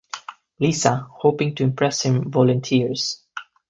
Lisa, hoping to impress him, volunteers.